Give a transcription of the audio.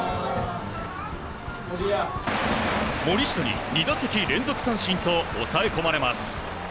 森下に２打席連続三振と抑え込まれます。